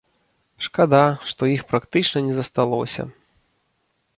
Шкада, што іх практычна не засталося.